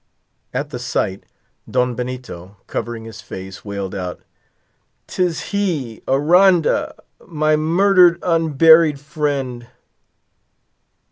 At the sight, Don Benito, covering his face, wailed out: "'Tis he, Aranda! my murdered, unburied friend!"